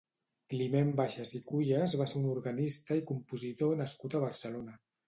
Climent Baixas i Cuyas va ser un organista i compositor nascut a Barcelona.